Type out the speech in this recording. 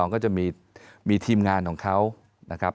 ๑๐๒ก็จะมีทีมงานของเค้า